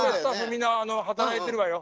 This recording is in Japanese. みんな働いてるわよ。